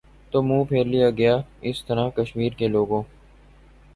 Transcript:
تو منہ پھیر لیا گیا اس طرح کشمیر کے لوگوں